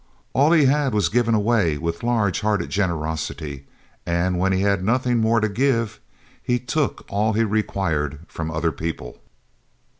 All he had was given away with large hearted generosity and when he had nothing more to give, he took all he required from other people!